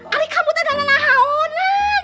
aduh kamu tuh sudah lama lama